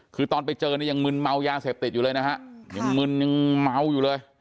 คือตอนไปเจอเนี่ยยังมึนเมายาเสพติดอยู่เลยนะฮะยังมึนยังเมาอยู่เลย